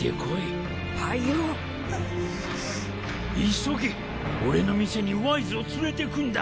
急げ俺の店にワイズを連れてくんだ。